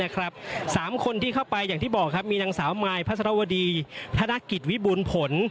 ๓คนที่เข้าไปอย่างที่บอกมีท่านสาวมายพัทรวดีธนกิจวิบูลผล